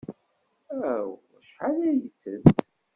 Aw! Acḥal ay ittett!